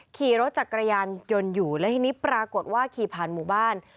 ขี่รถจักรยานยนต์อยู่แล้วทีนี้ปรากฏว่าขี่ผ่านหมู่บ้าน